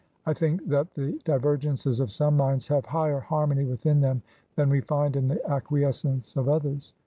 I think that the divergences of some minds have higher harmony within them than we find in the acquiescence of others."